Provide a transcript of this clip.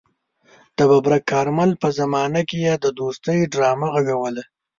د ببرک کارمل په زمانه کې يې د دوستۍ ډرامه غږوله.